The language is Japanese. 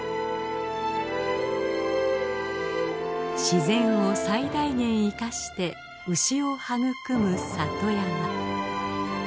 自然を最大限いかして牛を育む里山。